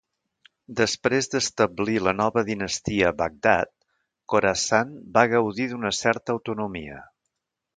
Després d'establir la nova dinastia a Bagdad, Khorasan va gaudir d'una certa autonomia.